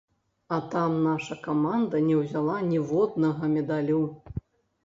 А там наша каманда не ўзяла ніводнага медалю.